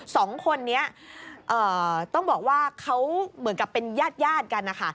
สองคนนี้ต้องบอกว่าเขาเหมือนกับเป็นญาติญาติกันนะคะ